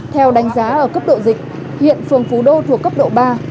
theo đánh giá ở cấp độ dịch hiện phường phú đô thuộc cấp độ ba